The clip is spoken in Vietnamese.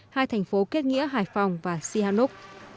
hai thành phố kết nghĩa hải phòng và sihanouk